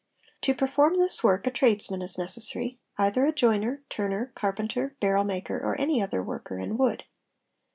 To perform this work a tradesman is necessary, either a joiner, turner, carpenter, barrel maker, or any other worker in wood.